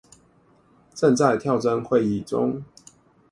正在跳針會議中